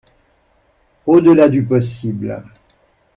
Au-delà du possible